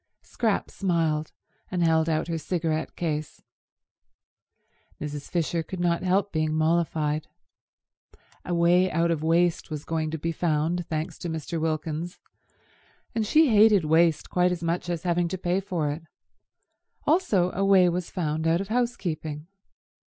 Scrap smiled, and held out her cigarette case. Mrs. Fisher could not help being mollified. A way out of waste was going to be found, thanks to Mr. Wilkins, and she hated waste quite as much as having to pay for it; also a way was found out of housekeeping.